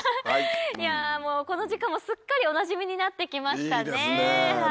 もうこの時間もすっかりおなじみになって来ましたね。